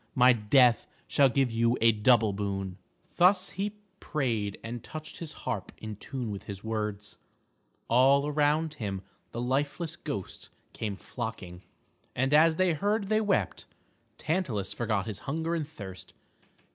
My death shall give you a double boon." [Illustration: ORPHEUS AND EURYDICE.] Thus he prayed and touched his harp in tune with his words. All around him the lifeless ghosts came flocking, and as they heard they wept. Tantalus forgot his hunger and thirst.